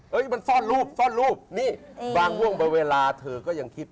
มันซ่อนรูปซ่อนรูปนี่บางห่วงบางเวลาเธอก็ยังคิด